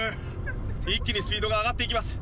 一気にスピードが上がっていきます。